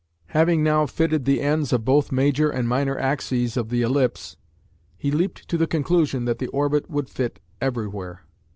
Having now fitted the ends of both major and minor axes of the ellipse, he leaped to the conclusion that the orbit would fit everywhere.